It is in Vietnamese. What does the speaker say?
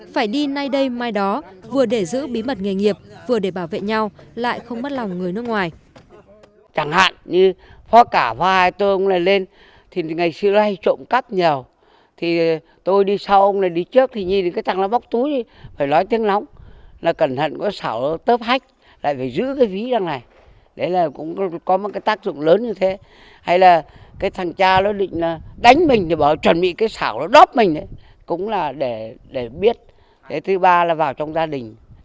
phải đi nay đây mai đó vừa để giữ bí mật nghề nghiệp vừa để bảo vệ nhau lại không mất lòng người nước ngoài